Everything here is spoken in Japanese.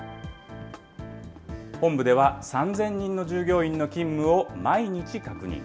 本部では３０００人の従業員の勤務を毎日確認。